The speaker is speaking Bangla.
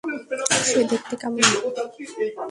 সে দেখতে কেমন?